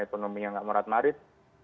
dan ekonominya nggak murad marid